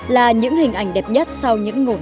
là những hình ảnh đẹp nhất sau những ngổn